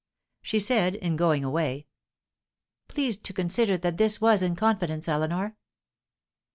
She said, in going away: "Please to consider that this was in confidence, Eleanor."